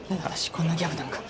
こんなギャグなんか。